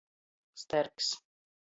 Sterks.